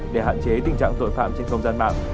để hạn chế tình trạng tội phạm trên không gian mạng